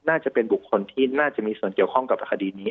น่าจะเป็นบุคคลที่น่าจะมีส่วนเกี่ยวข้องกับคดีนี้